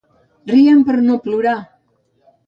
Riem per no plorar!